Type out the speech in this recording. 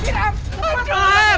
tidak tidak tidak